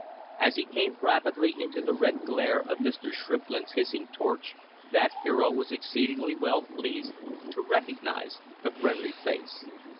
As he came rapidly into the red glare of Mr. Shrimplin's hissing torch that hero was exceeding well pleased to recognize a friendly face.